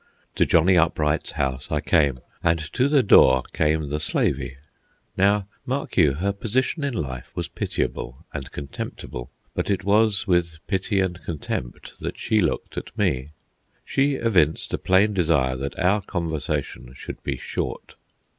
To Johnny Upright's house I came, and to the door came the "slavey." Now, mark you, her position in life was pitiable and contemptible, but it was with pity and contempt that she looked at me. She evinced a plain desire that our conversation should be short.